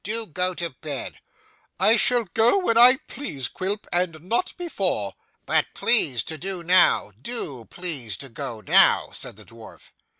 Do go to bed.' 'I shall go when I please, Quilp, and not before.' 'But please to do now. Do please to go now,' said the dwarf.